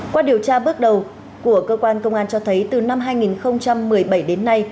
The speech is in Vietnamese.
qua điều tra bước đầu của cơ quan công an cho thấy từ năm hai nghìn một mươi bảy đến nay